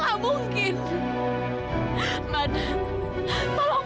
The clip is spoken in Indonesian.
ya ampun kok jadi gini